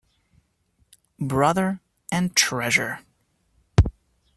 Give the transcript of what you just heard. Brother" and "Treasure".